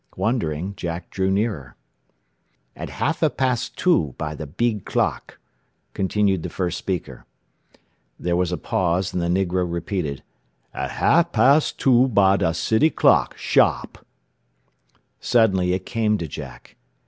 Wondering, Jack drew nearer. "At halfa da past two by da beeg clock," continued the first speaker. There was a pause, and the negro repeated, "At half pas' two by dah city clock, shahp." Suddenly it came to Jack.